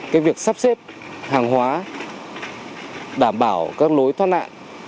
cái việc sắp xếp hàng hóa đảm bảo các lối thoát nạn